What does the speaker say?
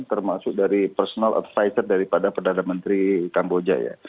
termasuk dari personal advisor daripada perdana menteri kamboja ya